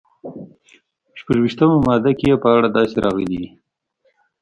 په شپږویشتمه ماده کې یې په اړه داسې راغلي دي.